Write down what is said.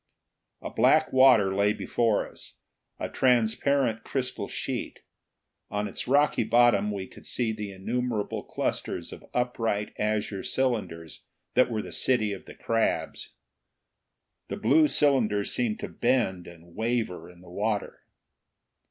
The black water lay before us, a transparent crystal sheet. On its rocky bottom we could see the innumerable clusters of upright azure cylinders that were the city of the crabs. The blue cylinders seemed to bend and waver in the water.